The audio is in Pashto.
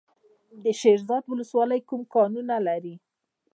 د شیرزاد ولسوالۍ کوم کانونه لري؟